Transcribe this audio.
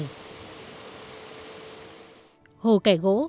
hồ kẻ gỗ thuộc địa bàn xã cẩm mỹ huyện cẩm xuyên